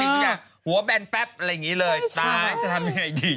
หัวแบบแปปอะไรอย่างงี้เลยใช่นี่ชาจะทำไงดี